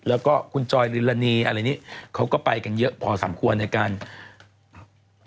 แล้วก็คุณจอยริลานีอะไรนี้เขาก็ไปกันเยอะพอสมควรในการ